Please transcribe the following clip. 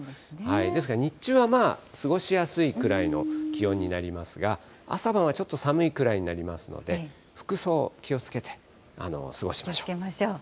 ですから、日中はまあ、過ごしやすいくらいの気温になりますが、朝晩はちょっと寒いくらいになりますので、気をつけましょう。